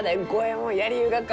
のうやりゆうがか。